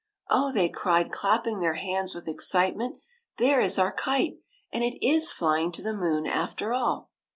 Oh," they cried, clapping their hands with excitement. " There is our kite, and it is flying to the moon after all